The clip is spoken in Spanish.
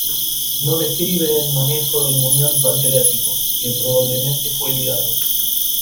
No describe en manejo del muñón pancreático, que probablemente fue ligado.